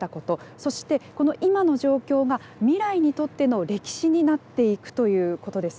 そしてこの今の状況が未来にとっての歴史になっていくということです。